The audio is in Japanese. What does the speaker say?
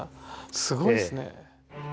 すごいですね。